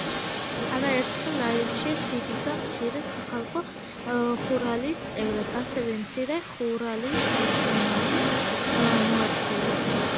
არაერთხელ აირჩიეს დიდი და მცირე სახალხო ხურალის წევრად, ასევე მცირე ხურალის თავჯდომარის მოადგილედ.